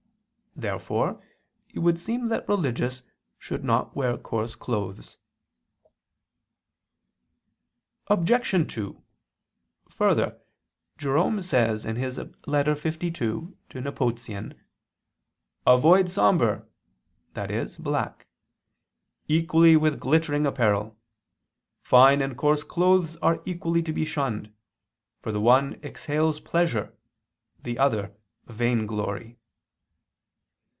Therefore it would seem that religious should not wear coarse clothes. Obj. 2: Further, Jerome says (Ep. lii ad Nepotian.): "Avoid somber," i.e. black, "equally with glittering apparel. Fine and coarse clothes are equally to be shunned, for the one exhales pleasure, the other vainglory."